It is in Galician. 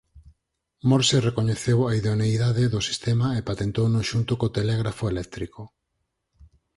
Morse recoñeceu a idoneidade do sistema e patentouno xunto co telégrafo eléctrico.